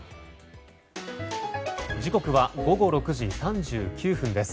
時刻は午後６時３９分です。